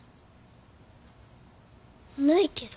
ないけど。